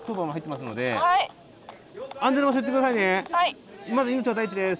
まず命が第一です。